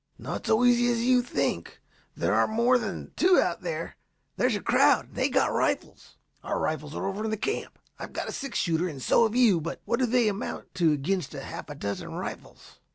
"Not so easy as you think There are more than two out there there's a crowd and they've got rifles. Our rifles are over in the camp. I've got a six shooter and so have you, but what do they amount to against half a dozen rifles?"